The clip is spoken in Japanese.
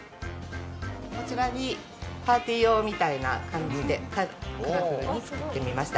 こちらにパーティー用みたいな感じで作ってみました。